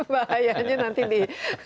bahayanya nanti di